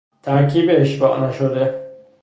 ترکیب اشباع نشده